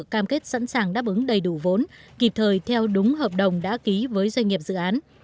cam kết sẵn sàng đáp ứng đầy đủ vốn kịp thời theo đúng hợp đồng đã ký với doanh nghiệp dự án